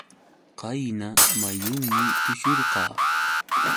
Qayna muyunmi tushurqaa.